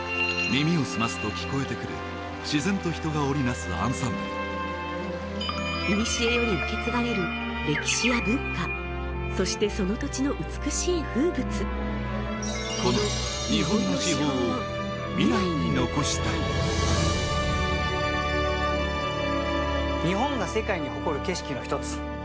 耳を澄ますと聞こえてくる自然と人が織り成すアンサンブルいにしえより受け継がれる歴史や文化そしてその土地の美しい風物この日本の至宝を未来に残したい日本が世界に誇る景色の一つ桜